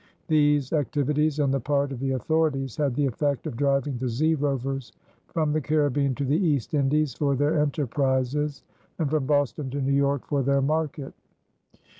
These activities on the part of the authorities had the effect of driving the "zee rovers" from the Caribbean to the East Indies for their enterprises and from Boston to New York for their market.